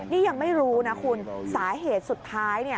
นี่ยังไม่รู้นะคุณสาเหตุสุดท้ายเนี่ย